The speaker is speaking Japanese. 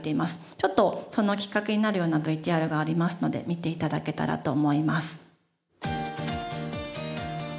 ちょっとそのきっかけになるようなＶＴＲがありますので見て頂けたらと思います。